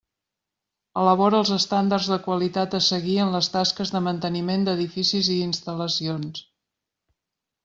Elabora els estàndards de qualitat a seguir en les tasques de manteniment d'edificis i instal·lacions.